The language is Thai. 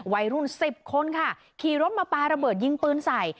วัยรุ่น๑๐คนค่ะขี่รถมาปลาระเบิดยิงปืนใส่